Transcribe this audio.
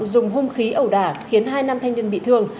dùng hung khí ẩu đả khiến hai nam thanh niên bị thương